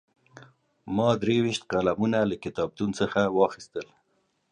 ما درې ویشت قلمونه له کتابتون څخه واخیستل.